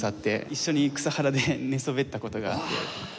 一緒に草原で寝そべった事があって。